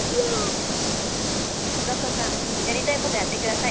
ロッソさんやりたいことやって下さい。